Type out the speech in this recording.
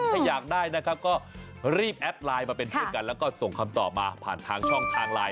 ถ้าอยากได้นะครับก็รีบแอปไลน์มาเป็นเพื่อนกันแล้วก็ส่งคำตอบมาผ่านทางช่องทางไลน์